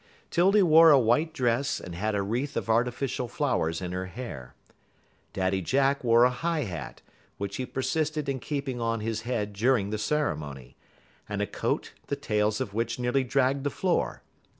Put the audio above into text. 'Tildy wore a white dress and had a wreath of artificial flowers in her hair. Daddy Jack wore a high hat, which he persisted in keeping on his head during the ceremony, and a coat the tails of which nearly dragged the floor.